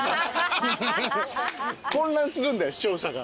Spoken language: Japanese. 混乱するんで視聴者が。